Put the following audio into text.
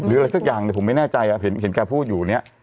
อะไรสักอย่างเนี่ยผมไม่แน่ใจเห็นแกพูดอยู่เนี่ย